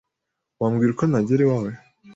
Wambwira uko nagera iwawe?